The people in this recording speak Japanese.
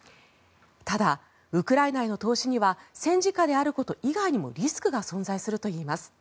ただ、ウクライナへの投資には戦時下であること以外にもリスクが存在するといいます。